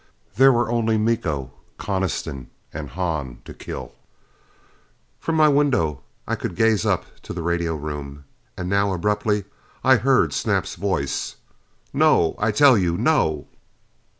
There were only Miko, Coniston and Hahn to kill. From my window I could gaze up to the radio room. And now, abruptly, I heard Snap's voice: "No! I tell you no!"